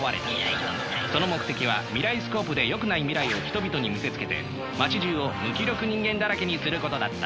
その目的は未来スコープでよくない未来を人々に見せつけて街じゅうを無気力人間だらけにすることだった。